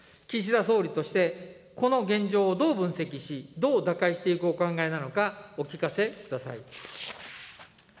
岸田総理として、この現状をどう分析し、どう打開していくお考えなのか、お聞かせください。